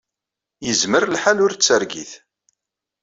Yezmer lḥal ur d targit.